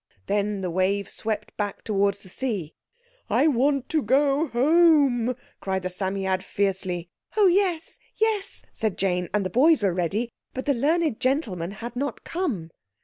Then the wave swept back towards the sea. "I want to go home," cried the Psammead fiercely. "Oh, yes, yes!" said Jane, and the boys were ready—but the learned gentleman had not come.